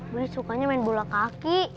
gue sukanya main bola kaki